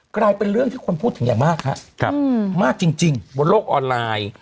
กลายเป็นเรื่องที่คนพูดถึงอย่างมากครับมากจริงบนโลกออนไลน์